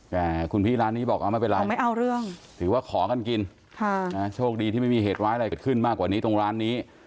แต่คุณพี่ร้านนี้บอกเอาไม่เป็นไรถือว่าขอกันกินโชคดีที่ไม่มีเหตุร้ายอะไรขึ้นมากกว่านี้ตรงร้านนี้